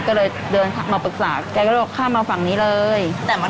ก็เลยเดินมาปรึกษาแกก็เลยบอกข้ามมาฝั่งนี้เลยแต่มา